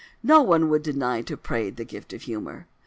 No one would deny to Praed the gift of humour.